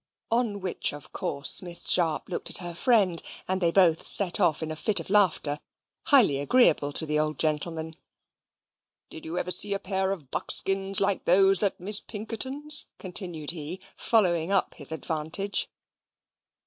On which, of course, Miss Sharp looked at her friend, and they both set off in a fit of laughter, highly agreeable to the old gentleman. "Did you ever see a pair of buckskins like those at Miss Pinkerton's?" continued he, following up his advantage.